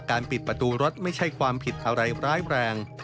ปิดประตูรถไม่ใช่ความผิดอะไรร้ายแรง